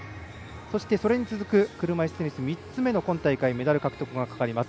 そして、それに続く車いすテニス３つ目の今大会メダルがかかります。